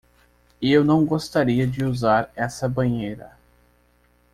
Eu não gostaria de usar essa banheira.